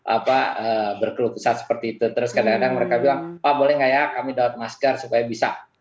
apa berkelutusan seperti itu terus kadang kadang mereka bilang pak boleh nggak ya kami dapat masker supaya bisa